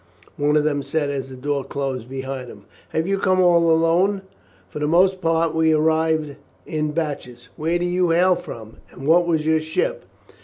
one of them said as the door closed behind him. "Have you come all alone? For the most part we arrive in batches. Where do you hail from, and what was your ship?"